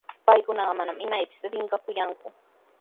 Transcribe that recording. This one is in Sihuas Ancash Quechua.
Paykunaqa manami imaypis rikanakuyanku,